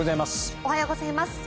おはようございます。